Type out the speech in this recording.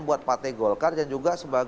buat pak t golkar dan juga